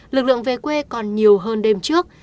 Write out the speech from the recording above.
lực lượng về quê còn nhiều hơn đêm trước